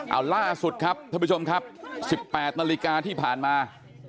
เอาล่าสุดครับท่านผู้ชมครับ๑๘นาฬิกาที่ผ่านมา